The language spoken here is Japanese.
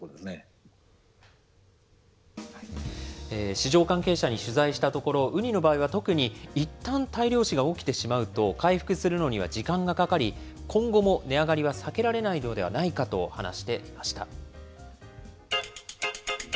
市場関係者に取材したところ、ウニの場合は特に、いったん大量死が起きてしまうと、回復するのには時間がかかり、今後も値上がりは避けられないのではないかと話していました。